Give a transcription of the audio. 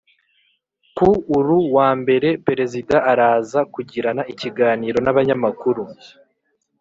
Ku uru wa mbere Perezida araza kugirana ikiganiro n’abanyamakuru